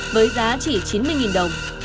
với giá chỉ chín mươi đồng